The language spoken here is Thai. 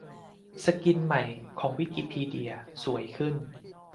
สกินใหม่ของ วิกิพีเดีย สวยขึ้น